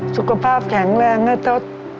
สุขภาพแข็งแรงไหมทศ